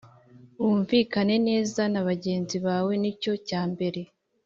wumvikane neza nabagenzi bawe nicyo cyambere